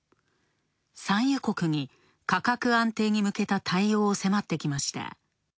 産油国の価格安定に向けた対応を迫ってきました。